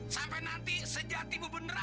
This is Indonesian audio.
sampai nanti sejati bu beneran